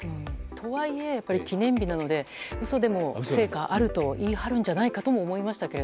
とはいえ、記念日なので嘘でも成果があると言い張るんじゃないかとも思いましたが。